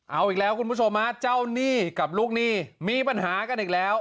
เอาอีกแล้วคุณผู้ชมฮะเจ้าหนี้กับลูกหนี้มีปัญหากันอีกแล้ว